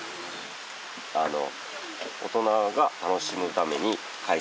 あの。